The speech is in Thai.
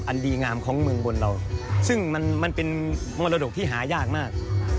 ดีงามของเมืองบนเราซึ่งมันเป็นมรดกที่หายากมาก